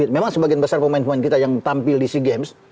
memang sebagian besar pemain pemain kita yang tampil di sea games